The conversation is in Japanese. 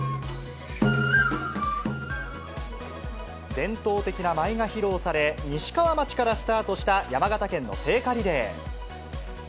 伝統的な舞が披露され、西川町からスタートした山形県の聖火リレー。